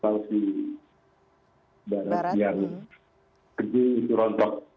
barat yang kecil itu rontok